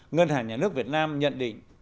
ngân hàng nhà nước việt nam nhận định